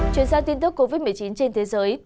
chuyển sang tin tức covid một mươi chín trên thế giới